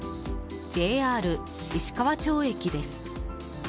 ＪＲ石川町駅です。